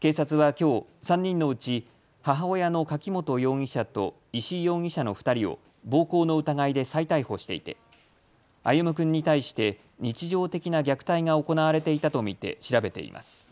警察はきょう３人のうち母親の柿本容疑者と石井容疑者の２人を暴行の疑いで再逮捕していて、歩夢君に対して日常的な虐待が行われていたと見て調べています。